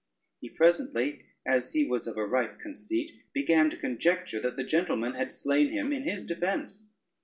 He presently, as he was of a ripe conceit, began to conjecture that the gentleman had slain him in his defence.